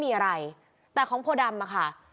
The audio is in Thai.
เมื่อวานหลังจากโพดำก็ไม่ได้ออกไปไหน